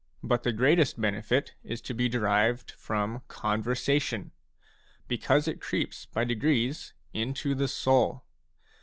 But the greatest benefit is to be derived from conversation, because it creeps by degrees into the soul.